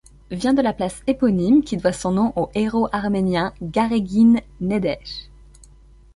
Vient de la place éponyme qui doit son nom au héros arménien Garéguine Njdeh.